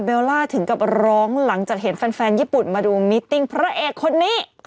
ล่าถึงกับร้องหลังจากเห็นแฟนญี่ปุ่นมาดูมิตติ้งพระเอกคนนี้